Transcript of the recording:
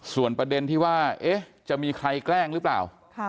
ส่วนประเด็นที่ว่าจะมีใครแกล้งหรือเปล่า